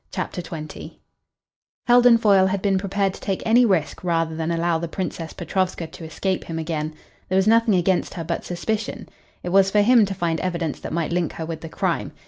CHAPTER XX Heldon Foyle had been prepared to take any risk rather than allow the Princess Petrovska to escape him again. There was nothing against her but suspicion. It was for him to find evidence that might link her with the crime.